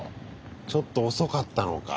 ちょっと遅かったのか